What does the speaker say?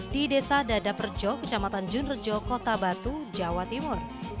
di desa dadaperjo kecamatan junrejo kota batu jawa timur